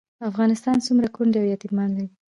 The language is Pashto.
افغانستان څومره کونډې او یتیمان لري؟